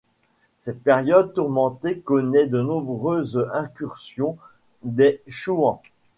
Cette période tourmentée connaît de nombreuses incursions des Chouans.